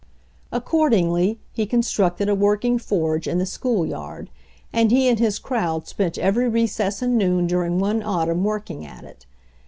Accordingly, he constructed a working forge in the schoolyard, and he and his crowd spent every recess and noon during one autumn work ing at it.